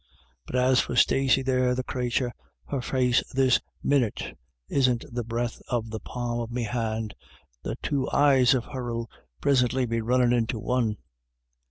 " But as for Stacey there, the crathur, her face this minit isn't the breadth of the palm o' me hand ; the two eyes of her'll prisintly be runnin' into one."